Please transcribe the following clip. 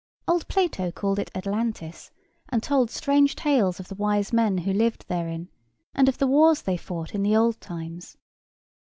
Old Plato called it Atlantis, and told strange tales of the wise men who lived therein, and of the wars they fought in the old times.